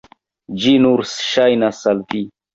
Ĝi nur ŝajnas al vi!